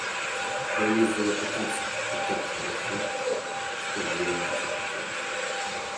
Я ездила кататься, и так хорошо, что в деревню захотелось.